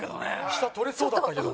下取れそうだったけども。